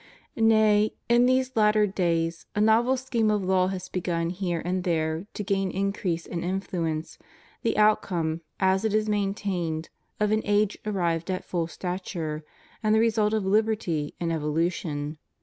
Nay, in these latter days a novel scheme of law has begun here and there to gain increase and influence, the outcome, as it is maintained, of an age arrived at full stature, and the result of liberty in evolution.